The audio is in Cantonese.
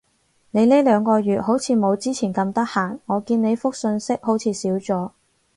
你呢兩個月好似冇之前咁得閒？我見你覆訊息好似少咗